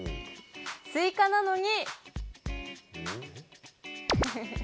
スイカなのに。